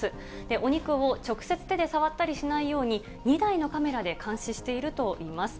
お肉を直接、手で触ったりしないように、２台のカメラで監視しているといいます。